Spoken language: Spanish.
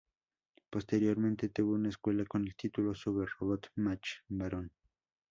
Posteriormente tuvo una secuela con el título "Super Robot Mach Baron".